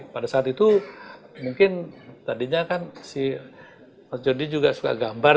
pada saat itu mungkin tadinya kan si mas jody juga suka gambar